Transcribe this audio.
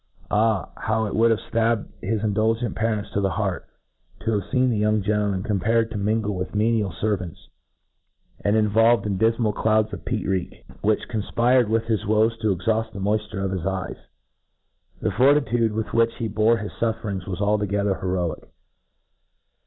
— Ah ! how it would have ftabbed his indulgent parents ' to the heart, to have feen the young gentleman compelled to mingle with nienial fervants, and involved in difmal clouds of peat reek, which con it^ PR E F A C t. confpjrdd with histvocs to exhauft the moiAufC of his eyes! The fortitude with which he bore his fuferings was altogetherheroic.